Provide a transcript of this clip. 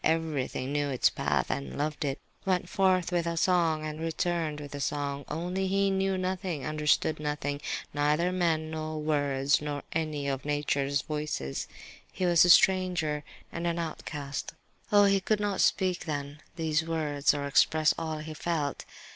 Everything knew its path and loved it, went forth with a song and returned with a song; only he knew nothing, understood nothing, neither men nor words, nor any of nature's voices; he was a stranger and an outcast. Oh, he could not then speak these words, or express all he felt!